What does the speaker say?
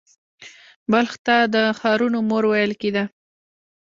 بلخ ته د ښارونو مور ویل کیده